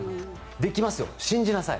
できますよ、信じなさい。